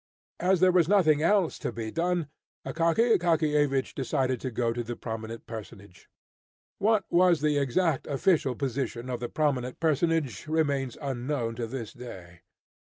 As there was nothing else to be done, Akaky Akakiyevich decided to go to the prominent personage. What was the exact official position of the prominent personage, remains unknown to this day.